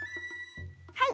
はい。